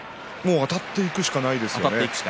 あたっていくしかないですね。